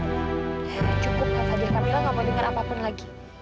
cukup kak fadil kak mila gak mau denger apapun lagi